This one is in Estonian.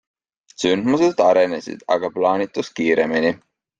Sündmused arenesid aga plaanitust kiiremini.